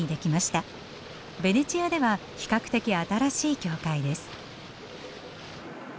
ベネチアでは比較的新しい教会です。